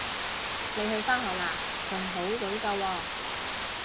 你去返學喇？仲好早咋喎